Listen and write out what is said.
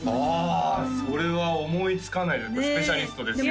ああそれは思いつかないスペシャリストですよ